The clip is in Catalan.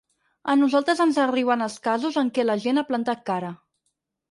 A nosaltres ens arriben els casos en què la gent ha plantat cara.